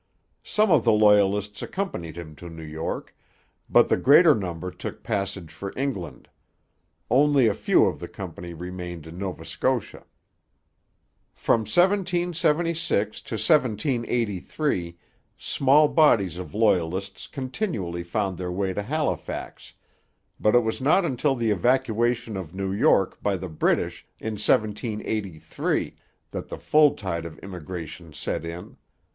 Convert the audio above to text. Some of the Loyalists accompanied him to New York, but the greater number took passage for England. Only a few of the company remained in Nova Scotia. From 1776 to 1783 small bodies of Loyalists continually found their way to Halifax; but it was not until the evacuation of New York by the British in 1783 that the full tide of immigration set in.